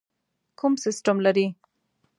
کوم سیسټم لرئ؟